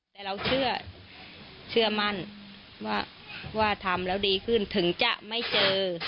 แต่เราเชื่อมั่นว่าทำแล้วดีขึ้นถึงจะไม่เจอ